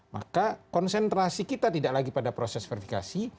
maka konsentrasi kita tidak lagi pada proses verifikasi